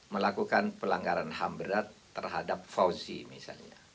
melakukan pelanggaran ham berat terhadap fauzi misalnya